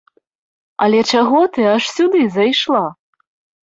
Але чаго ты аж сюды зайшла?